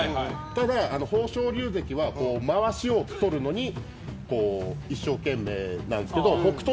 ただ、豊昇龍関はまわしを取るのに一生懸命なんですけど北勝